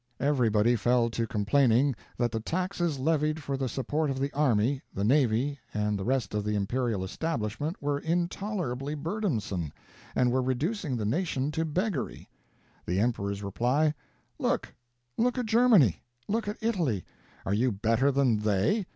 Everybody fell to complaining that the taxes levied for the support of the army, the navy, and the rest of the imperial establishment were intolerably burdensome, and were reducing the nation to beggary. The emperor's reply "Look Look at Germany; look at Italy. Are you better than they?